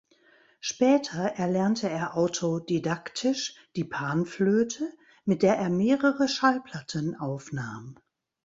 Später erlernte er autodidaktisch die Panflöte, mit der er mehrere Schallplatten aufnahm.